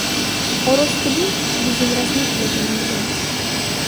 Орус тили биздин расмий тил экенин билем.